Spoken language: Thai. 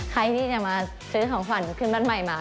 ใครที่จะมาซื้อของขวัญขึ้นบ้านใหม่มา